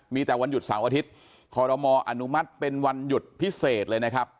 มีแต่วันหยุดเสาร์อาทิตย์คอรมออนุมัติเป็นวันหยุดพิเศษเลยนะครับ